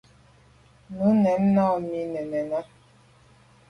Nu mèn nà mi me nène.